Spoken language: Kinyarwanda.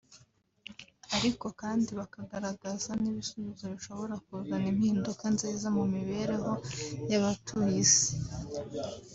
ariko kandi bakagaragaza n’ibisubizo bishobora kuzana impinduka nziza mu mibereho y’abatuye isi